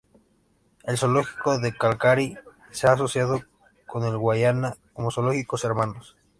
El Zoológico de Calgary se ha asociado con el de Guyana como Zoológicos "hermanos".